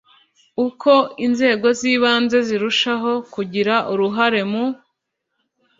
Uko inzego z ibanze zarushaho kugira uruhare mu